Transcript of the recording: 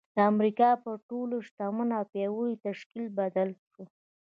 د امريکا پر تر ټولو شتمن او پياوړي تشکيل بدل شو.